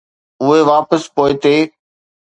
اهي واپس پوئتي.